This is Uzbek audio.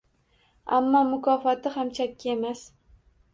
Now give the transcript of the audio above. Ammo mukofoti ham chakki emas.